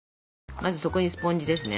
まず底にスポンジですね。